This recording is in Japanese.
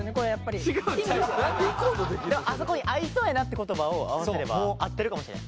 あそこに合いそうやなって言葉を合わせれば合ってるかもしれん。